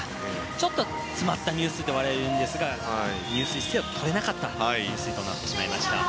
ちょっと詰まった入水といわれるんですが入水姿勢をとれなかったことになってしまいました。